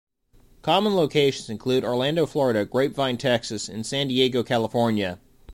Common locations include Orlando, Florida; Grapevine, Texas; and San Diego, California.